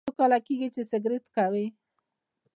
څو کاله کیږي چې سګرټ څکوئ؟